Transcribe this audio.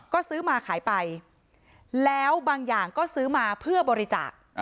ก็ซื้อมาขายไปแล้วบางอย่างก็ซื้อมาเพื่อบริจาค